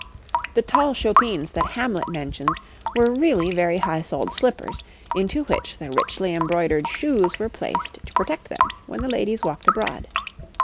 The tall chopines that Hamlet mentions were really very high soled slippers, into which the richly embroidered shoes were placed to protect them when the ladies walked abroad.